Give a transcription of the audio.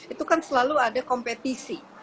itu kan selalu ada kompetisi